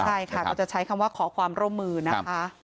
ใช่ค่ะก็จะใช้คำว่าขอความร่วมมือนะคะ